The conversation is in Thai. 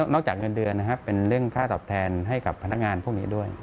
จากเงินเดือนนะครับเป็นเรื่องค่าตอบแทนให้กับพนักงานพวกนี้ด้วย